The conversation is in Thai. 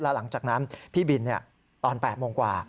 หลังจากนั้นพี่บินตอน๘โมงกว่า